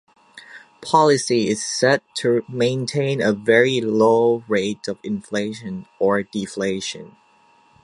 Policy is set to maintain a very low rate of inflation or deflation.